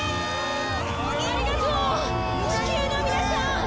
ありがとうチキュウの皆さん！